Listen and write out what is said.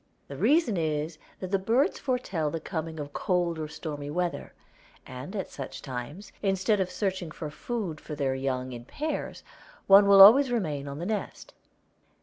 The reason is that the birds foretell the coming of cold or stormy weather, and at such times, instead of searching for food for their young in pairs, one will always remain on the nest.